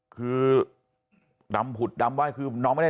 คือดำผุดดำไห้คือน้องไม่ได้